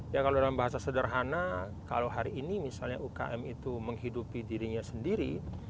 ya kalau dalam bahasa sederhana kalau hari ini misalnya ukm itu menghidupi dirinya sendiri